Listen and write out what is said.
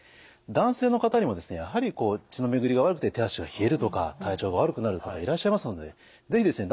男性の方にもですねやはりこう血の巡りが悪くて手足が冷えるとか体調が悪くなる方いらっしゃいますので是非ですね